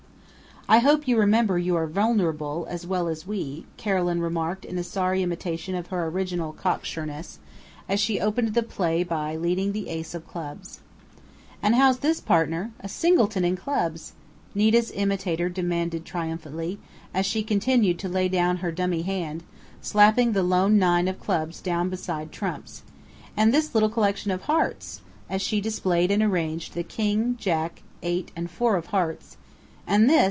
"I hope you remember you are vulnerable, as well as we," Carolyn remarked in a sorry imitation of her original cocksureness, as she opened the play by leading the Ace of Clubs. "And how's this, partner?... A singleton in Clubs!" Nita's imitator demanded triumphantly, as she continued to lay down her dummy hand, slapping the lone nine of Clubs down beside trumps; "and this little collection of Hearts!" as she displayed and arranged the King, Jack, eight and four of Hearts; "and this!"